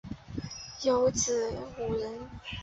有子五人